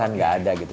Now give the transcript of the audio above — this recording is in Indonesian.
bahkan nggak ada gitu